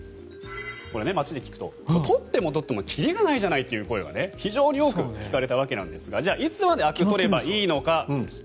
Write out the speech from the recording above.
街で聞くと取っても取っても切りがないじゃないという声が非常に多く聞かれたわけなんですがいつまであくを取ればいいのか。